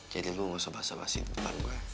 jadi lo nggak usah basah basih di depan gue